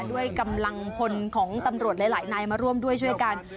ด้วยกำลังพลของตำรวจหลายนายมาร่วมด้วยช่วยกัน